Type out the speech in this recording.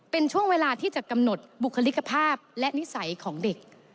เป็นช่วงเวลาที่จะกำหนดบุคลิกภาพและนิสัยของเด็ก